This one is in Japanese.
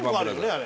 あれ。